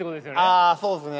あそうですね。